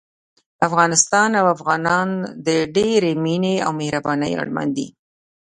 افغانستان او افغانان د ډېرې مينې او مهربانۍ اړمن دي